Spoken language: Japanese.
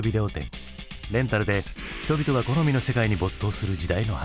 レンタルで人々が好みの世界に没頭する時代の始まりだ。